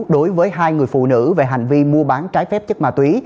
đối với hai người phụ nữ về hành vi mua bán trái phép chất ma túy